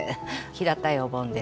平たいお盆です。